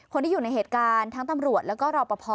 คนที่อยู่ในเหตุการณ์ทั้งตำรวจแล้วก็รอปภ